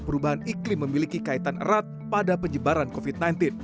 perubahan iklim memiliki kaitan erat pada penyebaran covid sembilan belas